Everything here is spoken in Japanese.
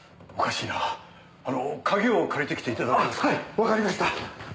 わかりました。